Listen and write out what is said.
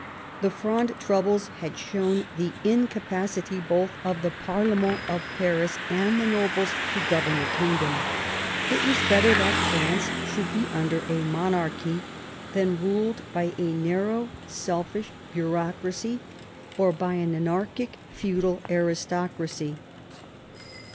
The Fronde troubles had shown the incapacity both of the pa/rlement of Paris and of the nobles to govern the kingdom. It was better that France should be under a monarchy than ruled by a narrow, selfish bureaucracy or by an anarchie, feudal aristocracy.